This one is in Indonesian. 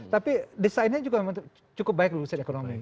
tapi desainnya juga memang cukup baik dulu saat ekonomi